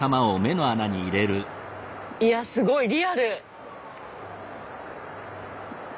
いやすごいリアル。